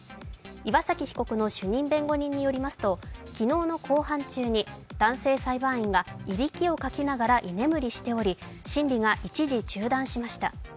岩崎被告の主任弁護人によりますと、昨日の公判中に男性裁判員がいびきをかきながら居眠りしており、審理が一時中断しました。